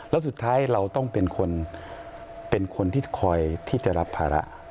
แล้วสุดท้ายเราต้องเป็นคนเป็นคนที่คอยที่จะรับภาระ